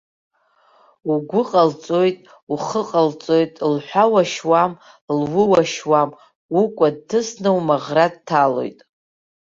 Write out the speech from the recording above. Угәы ҟалҵоит, ухы ҟалҵоит, лҳәа уашьуам луы уашьуам, укәа дҭысны умаӷра дҭалоит.